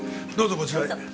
どうぞこちらへ。